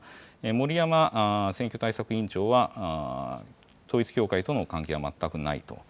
森山選挙対策委員長は、統一教会との関係は全くないと。